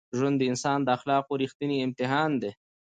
ژوند د انسان د اخلاقو رښتینی امتحان دی.